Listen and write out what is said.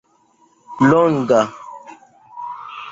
longa